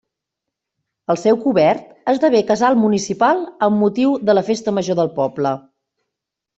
El seu cobert esdevé casal municipal amb motiu de la Festa Major del poble.